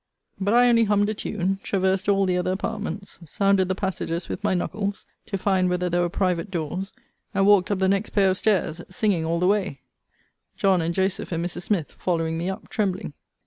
But I only hummed a tune, traversed all the other apartments, sounded the passages with my knuckles, to find whether there were private doors, and walked up the next pair of stairs, singing all the way; John and Joseph, and Mrs. Smith, following me up, trembling.